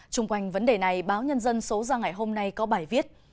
trung quanh vấn đề này báo nhân dân số ra ngày hôm nay có bài viết